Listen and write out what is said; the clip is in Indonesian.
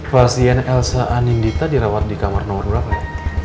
pasien elsa anindita dirawat di kamar nomor berapa ya